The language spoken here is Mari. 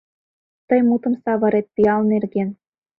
Тый мутым савырет пиал нерген.